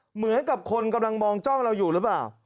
เหมือนกับคนกำลังมองจ้องเราอยู่หรือเปล่า